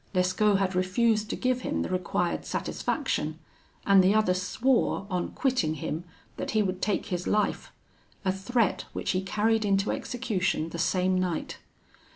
Lescaut had refused to give him the required satisfaction, and the other swore, on quitting him, that he would take his life; a threat which he carried into execution the same night.